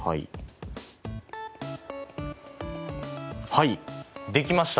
はいできました。